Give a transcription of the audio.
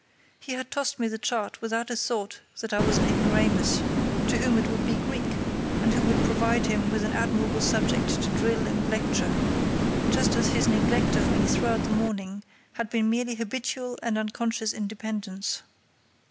He had tossed me the chart without a thought that I was an ignoramus, to whom it would be Greek, and who would provide him with an admirable subject to drill and lecture, just as his neglect of me throughout the morning had been merely habitual and unconscious independence.